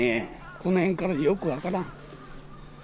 この辺からではよく分からん。